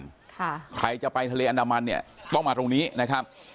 ค่ะใครจะไปทะเลอันดามันเนี่ยต้องมาตรงนี้นะครับ